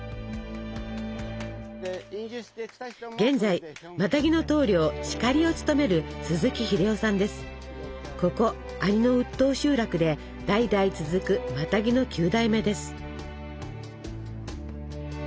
現在マタギの頭領シカリを務めるここ阿仁の打当集落で代々続くマタギの９代目です。